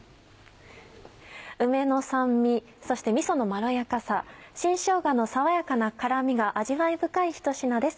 梅の酸味そしてみそのまろやかさ新しょうがの爽やかな辛みが味わい深いひと品です。